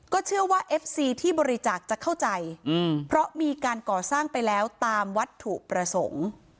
เชื่อว่าเอฟซีที่บริจาคจะเข้าใจเพราะมีการก่อสร้างไปแล้วตามวัตถุประสงค์